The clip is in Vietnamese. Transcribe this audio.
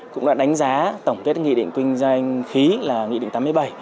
cũng đã đánh giá tổng kết nghị định kinh doanh khí là nghị định tám mươi bảy